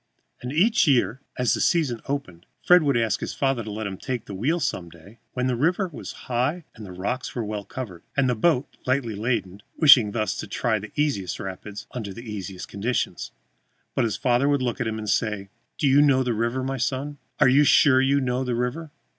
And each year, as the season opened, Fred would ask his father to let him take the wheel some day when the river was high and the rocks well covered, and the boat lightly laden, wishing thus to try the easiest rapids under easiest conditions. But his father would look at him and say: "Do you know the river, my son? Are you sure you know the river?"